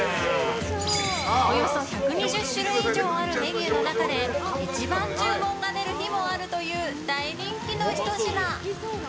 およそ１２０種類以上あるメニューの中で一番注文が出る日もあるという大人気のひと品。